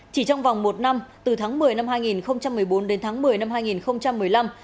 chỉ trong vòng một năm từ tháng một mươi năm hai nghìn một mươi bốn đến tháng một mươi năm hai nghìn một mươi năm